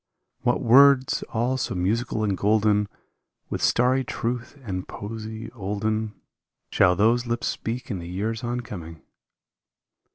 What words all so musical and golden With starry truth and poesy olden 150 Shall those lips speak in the years on coming?